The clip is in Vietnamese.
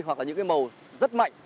hoặc là những màu rất mạnh